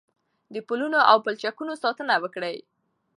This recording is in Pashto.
د پلونو او پلچکونو ساتنه وکړئ.